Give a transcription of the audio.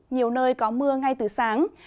nhiều nơi có mưa ngay từ sáng